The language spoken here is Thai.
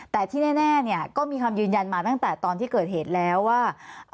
แต่ที่แน่เนี่ยก็มีคำยืนยันมาตั้งแต่ตอนที่เกิดเหตุแล้วว่า